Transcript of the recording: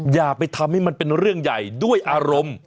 อย่าไปทำให้มันเป็นเรื่องใหญ่ด้วยอารมณ์